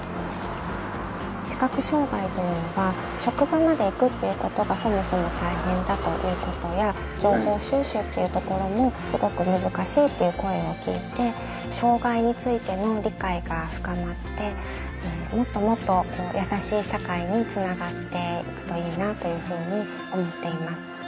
視覚障がいというのが職場まで行くっていうことがそもそも大変だということや情報収集っていうところもすごく難しいっていう声を聞いて障がいについての理解が深まってもっともっと優しい社会につながっていくといいなというふうに思っています